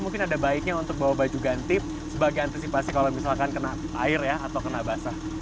mungkin ada baiknya untuk bawa baju gantip sebagai antisipasi kalau misalkan kena air ya atau kena basah